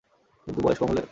কিন্তু বয়স কম হলে?